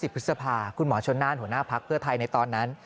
พฤษภาคุณหมอชนน่านหัวหน้าพักเพื่อไทยในตอนนั้น